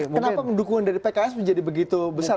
kenapa dukungan dari pks menjadi begitu besar